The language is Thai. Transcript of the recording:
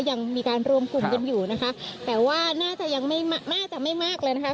ยังมีการรวมกลุ่มกันอยู่นะคะแต่ว่าน่าจะยังไม่น่าจะไม่มากเลยนะคะ